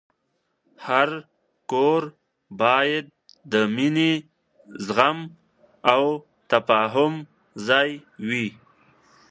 هر کور باید د مینې، زغم، او تفاهم ځای وي.